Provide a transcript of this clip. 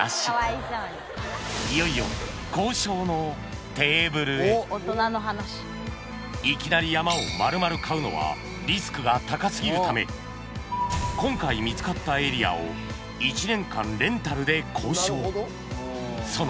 いよいよいきなり山を丸々買うのはリスクが高過ぎるため今回見つかったエリアをその５万円。